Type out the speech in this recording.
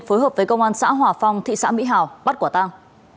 phối hợp với công an xã hòa phong thị xã mỹ hào bắt quả tăng